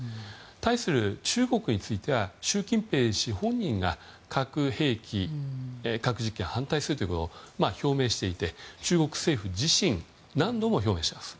対する、中国については習近平氏本人が核兵器、核実験に反対すると表明していて中国政府自身何度も表明しています。